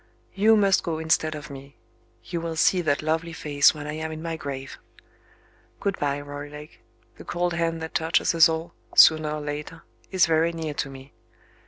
You must go instead of me; you will see that lovely face when I am in my grave. Good bye, Roylake. The cold hand that touches us all, sooner or later, is very near to me.